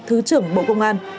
thứ trưởng bộ công an